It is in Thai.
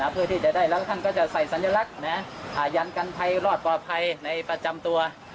เพื่อที่จะได้แล้วท่านก็จะใส่สัญลักษณ์ยันกันภัยรอดปลอดภัยในประจำตัว